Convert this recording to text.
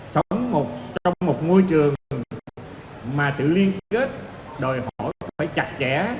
sống trong một môi trường mà sự liên kết đòi hỏi phải chặt chẽ